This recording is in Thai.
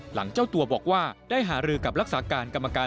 เจ้าตัวบอกว่าได้หารือกับรักษาการกรรมการ